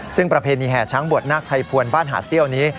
ซึ่งประเพณีแห่ช้างบวชนาคไทยพวนบ้านหาดเซี่ยวนี้